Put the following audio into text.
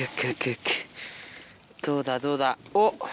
どうだどうだ？おっ。